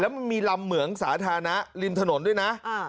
มันมีลำเหมืองสาธารณะริมถนนด้วยนะ